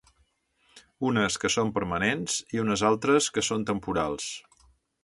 Unes que són permanents i unes altres que són temporals.